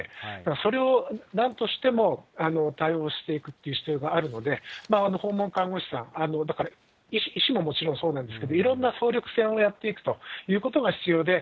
それをなんとしても対応していくっていう必要があるので、訪問看護師さん、だから医師ももちろんそうなんですけど、いろんな総力戦をやっていくということが必要で、